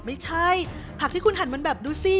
ไม่ใช่ผักที่คุณหันมันแบบดูสิ